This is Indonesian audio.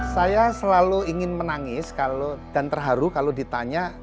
saya selalu ingin menangis dan terharu kalau ditanya